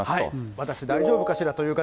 私大丈夫かしらという方。